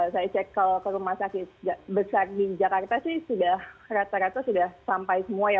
saya cek kalau ke rumah sakit besar di jakarta sih sudah rata rata sudah sampai semua ya